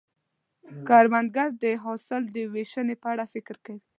کروندګر د حاصل د ویشنې په اړه فکر کوي